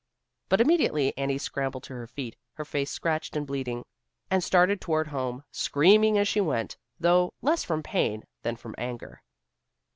But immediately Annie scrambled to her feet, her face scratched and bleeding, and started toward home, screaming as she went, though less from pain than from anger.